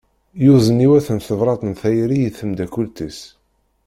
Yuzen yiwet n tebrat n tayri i tmeddakelt-is.